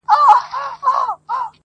سلده ګان که هوښیاران دي فکر وړي!.